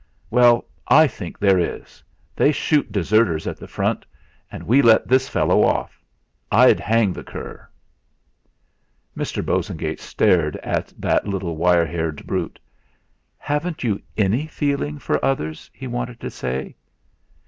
"Well, I think there is. They shoot deserters at the front, and we let this fellow off. I'd hang the cur." Mr. Bosengate stared at that little wire haired brute. "Haven't you any feeling for others?" he wanted to say.